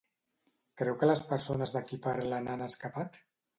Creu que les persones de qui parlen han escapat?